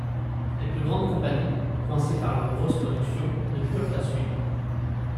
Les plus grandes compagnies, coincées par leurs grosses productions, ne purent pas suivre.